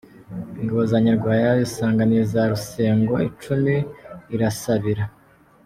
Ingabo za Nyarwaya zisanganira iza Rusengo icumu rirasabira.